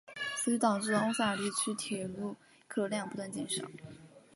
此举导致欧塞尔地区铁路客流量不断减少。